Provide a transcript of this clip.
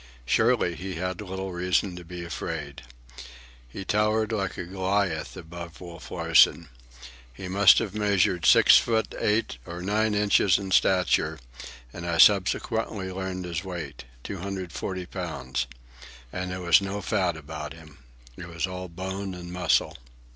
Surely he had little reason to be afraid. He towered like a Goliath above Wolf Larsen. He must have measured six feet eight or nine inches in stature, and I subsequently learned his weight—240 pounds. And there was no fat about him. It was all bone and muscle.